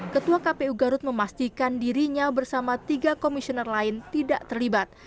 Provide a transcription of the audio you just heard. ketua kpu garut memastikan dirinya bersama tiga komisioner lain tidak terlibat